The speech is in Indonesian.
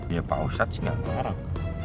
ya pak ustadz sih gak mau larang